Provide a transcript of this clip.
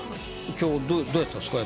今日どうやったんすか？